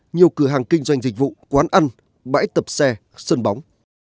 nhiều cửa hàng kinh doanh dịch vụ quán ăn bãi tập xe sân bóng